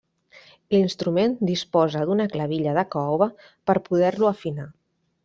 L'instrument disposa d'una clavilla de caoba per poder-lo afinar.